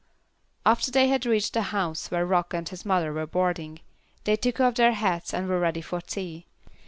After they had reached the house where Rock and his mother were boarding, they took off their hats and were ready for tea.